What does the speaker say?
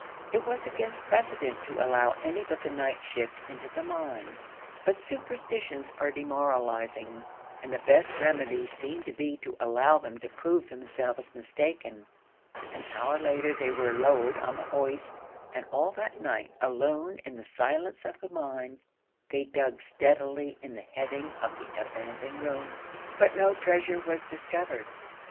It was against precedent to allow any but the night shift into the mine; but superstitions are demoralizing, and the best remedy seemed to be to allow them to prove themselves mistaken. An hour later they were lowered on the hoist; and all that night, alone in the silence of the mine, they dug steadily in the heading of the abandoned room; but no treasure was discovered.